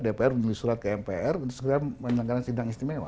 dpr menulis surat ke mpr dan itu sebenarnya melanggaran sidang istimewa